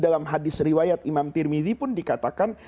dalam hadis riwayat imam tirmizi pun dikatakan